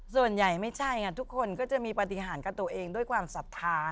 ส่วนใหญ่ไม่ใช่ทุกคนก็จะมีปฏิหารกับตัวเองด้วยความศรัทธา